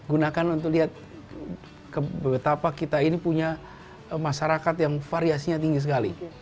gunakan untuk lihat betapa kita ini punya masyarakat yang variasinya tinggi sekali